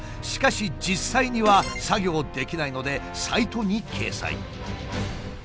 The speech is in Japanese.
しかし実際には作業できないのでサイトに掲載。